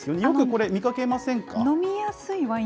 よくこれ見かけませんか？